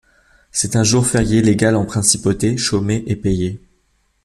C'est un jour férié légal en Principauté, chômé et payé.